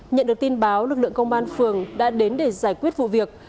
nhận được tin báo lực lượng công an phường đã đến để giải quyết vụ việc